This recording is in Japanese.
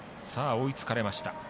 追いつかれました。